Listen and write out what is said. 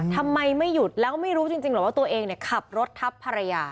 ทำไมไม่หยุดแล้วก็ไม่รู้จริงเหรอว่าตัวเองขับรถทับภรรยา